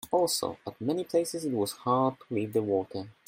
Also, at many places it was hard to leave the water.